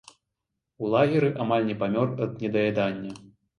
У лагеры амаль не памёр ад недаядання.